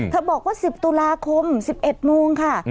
เธอบอกว่า๑๐ตุลาคม๑๑มูลค่ะ